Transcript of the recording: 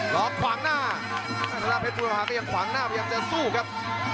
ล็อกขวางหน้าทางด้านเพชรบุรพาก็ยังขวางหน้าพยายามจะสู้ครับ